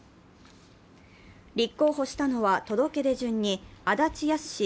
立候補したのは届け出順に足立康史